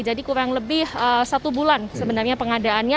jadi kurang lebih satu bulan sebenarnya pengadaannya